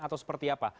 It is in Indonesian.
atau seperti apa